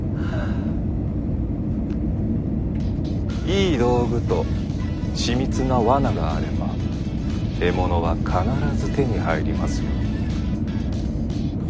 いい道具と緻密な罠があれば獲物は必ず手に入りますよ。